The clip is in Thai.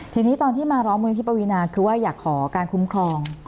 ทีนี้ตอนที่มาร้องมือที่ปวีนาคือว่าอยากขอการคุ้มครอง